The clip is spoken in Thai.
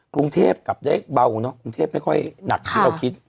กรุงเทพกลับได้เบาเนอะกรุงเทพไม่ค่อยหนักที่เราคิด